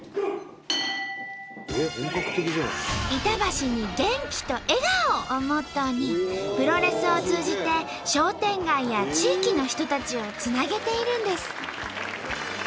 「板橋に元気と笑顔を！」をモットーにプロレスを通じて商店街や地域の人たちをつなげているんです。